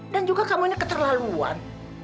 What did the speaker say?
dan juga kamu ini keterlaluan